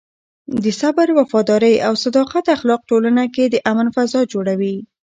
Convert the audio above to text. د صبر، وفادارۍ او صداقت اخلاق ټولنه کې د امن فضا جوړوي.